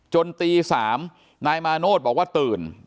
จนตี๓นายมาโนธบอกว่าตื่น